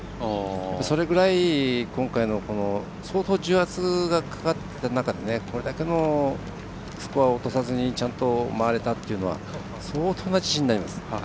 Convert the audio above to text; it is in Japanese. それぐらい、今回相当、重圧がかかっていた中でこれだけのスコアを落とさずにちゃんと回れたというのは相当な自信になります。